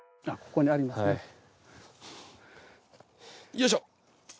よいしょ！